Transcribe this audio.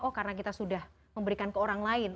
oh karena kita sudah memberikan ke orang lain